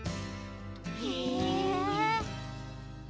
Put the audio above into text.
へえ。